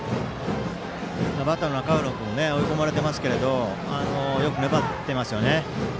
バッターの中浦君も追い込まれてますがよく粘っていますよね。